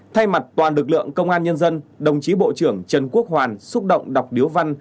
thay mặt toàn lực lượng công an nhân dân đồng chí bộ trưởng trần quốc hoàn xúc động đọc điếu văn